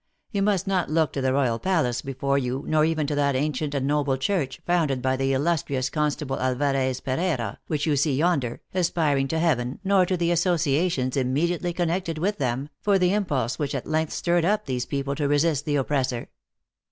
You must not look to the royal palace before you, nor even to that ancient and noble church, founded by the illustrious Constable, Alvarez Pereira, which you see yonder, aspiring to heaven, nor to the associations immediately connected with them, for the impulse which at length stirred up these people to resist the oppressor.